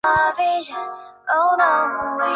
金叶细枝柃为山茶科柃木属下的一个变种。